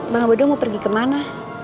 bang abodoh mau pergi kemana